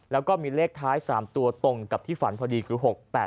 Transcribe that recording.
แล้วก็มีเลขท้าย๓ตัวตรงกับที่ฝันพอดีคือ๖๘๘